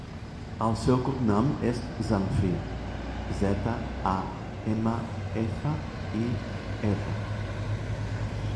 El seu cognom és Zamfir: zeta, a, ema, efa, i, erra.